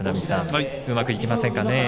うまくいきませんかね。